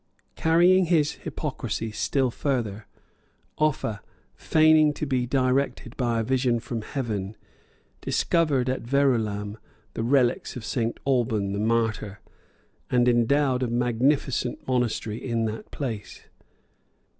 ] Carrying his hypocrisy still further, Offa, feigning to be directed by a vision from heaven, discovered at Verulam the relics of St Alban, the martyr, and endowed a magnificent monastery in that place.